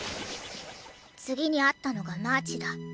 次に会ったのがマーチだ。